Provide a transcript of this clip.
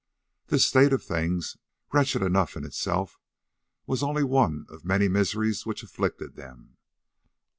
This state of things—wretched enough in itself—was only one of many miseries which afflicted them.